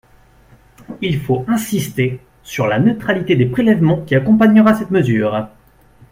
Il faut insister sur la neutralité des prélèvements qui accompagnera cette mesure.